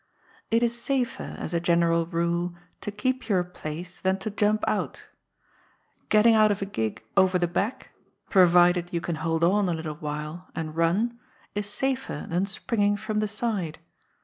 It is safer, as a general rule, to keep your place than to jump out. Getting out of a gig over the back, provided you can hold on a little while, and run, is safer than springing from the side.